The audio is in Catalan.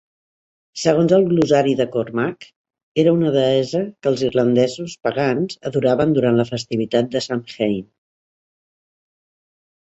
Segons el Glossari de Cormac, era una deessa que els irlandesos pagans adoraven durant la festivitat de Samhain.